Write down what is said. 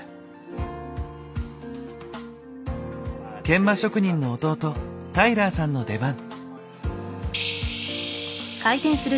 研磨職人の弟タイラーさんの出番。